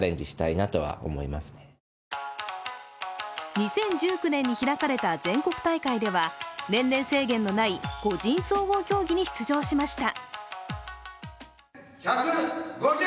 ２０１９年に開かれた全国大会では年齢制限のない個人総合競技に出場しました。